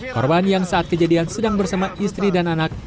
korban yang saat kejadian sedang bersama istri dan anak